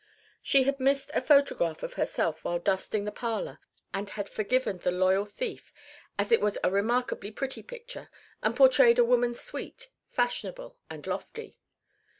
She had missed a photograph of herself while dusting the parlour and had forgiven the loyal thief as it was a remarkably pretty picture and portrayed a woman sweet, fashionable, and lofty.